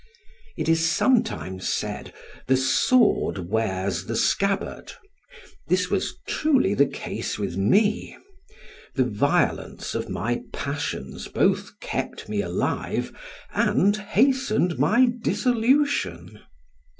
It is sometimes said, "the sword wears the scabbard," this was truly the case with me: the violence of my passions both kept me alive and hastened my dissolution.